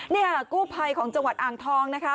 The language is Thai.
นี่ค่ะกู้ภัยของจังหวัดอ่างทองนะคะ